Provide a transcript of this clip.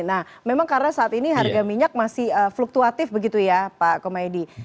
nah memang karena saat ini harga minyak masih fluktuatif begitu ya pak komedi